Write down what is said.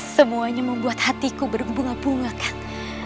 semuanya membuat hatiku berbunga bunga kan